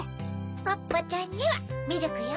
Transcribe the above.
ポッポちゃんにはミルクよ。